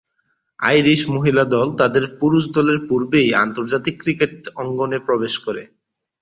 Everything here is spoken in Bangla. আইরিশ মহিলা দল তাদের পুরুষ দলের পূর্বেই আন্তর্জাতিক ক্রিকেট অঙ্গনে প্রবেশ করে।